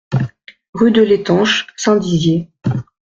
Rue de l'Etanche, Saint-Dizier